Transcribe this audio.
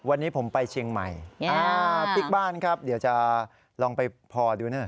วันนี้ผมไปเชียงใหม่อ่าพลิกบ้านครับเดี๋ยวจะลองไปพอดูนะ